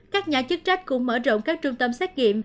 các nhà chức trách cũng mở rộng các trung tâm xét nghiệm